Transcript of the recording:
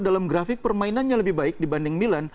dalam grafik permainannya lebih baik dibanding milan